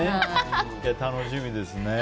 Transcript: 楽しみですね。